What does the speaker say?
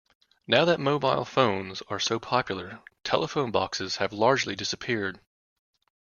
Now that mobile phones are so popular, telephone boxes have largely disappeared